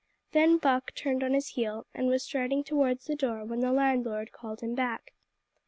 Then Buck turned on his heel, and was striding towards the door, when the landlord called him back.